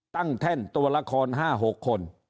แท่นตัวละคร๕๖คน